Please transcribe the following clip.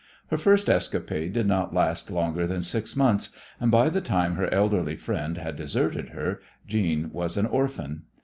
Her first escapade did not last longer than six months and by the time her elderly friend had deserted her Jeanne was an orphan.